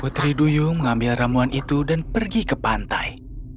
putri duyung mengambil ramuan itu dan pergi ke pantai